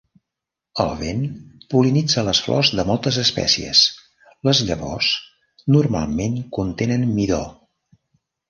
El vent pol·linitza les flors de moltes espècies; les llavors normalment contenen midó.